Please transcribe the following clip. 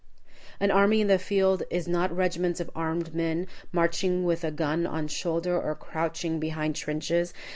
An army in the field is not regiments of armed men, marching with a gun on shoulder, or crouching behind trenches.